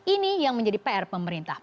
ini yang menjadi pr pemerintah